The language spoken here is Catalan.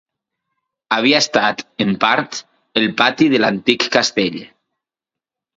Havia estat, en part, el pati de l'antic castell.